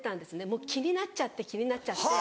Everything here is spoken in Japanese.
もう気になっちゃって気になっちゃって。